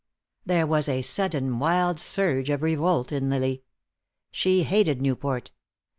There was a sudden wild surge of revolt in Lily. She hated Newport.